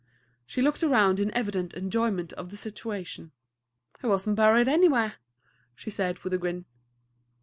She looked around in evident enjoyment of the situation. "He was n't buried anywhere," she said, with a grin.